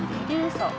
そう。